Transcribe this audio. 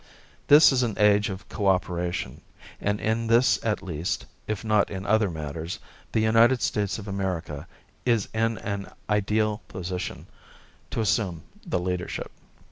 This is an age of co operation, and in this at least, if not in other matters, the United States of America is in an ideal position to assume the leadership.